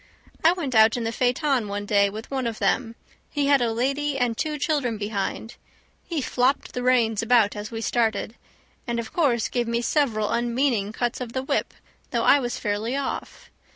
I went out in the phaeton one day with one of them; he had a lady and two children behind. He flopped the reins about as we started, and of course gave me several unmeaning cuts with the whip, though I was fairly off.